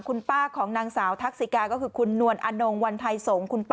คุณป้าคนนางสาวทักซิกาคุณนวลอานงวันไทยสง